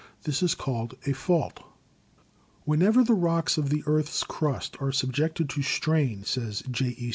This is called a 'fault.' "Whenever the rocks of the earth's crust are subjected to strain,' says J. E.